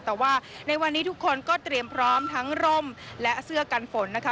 แต่ว่าในวันนี้ทุกคนก็เตรียมพร้อมทั้งร่มและเสื้อกันฝนนะคะ